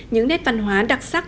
những nét văn hóa đặc sắc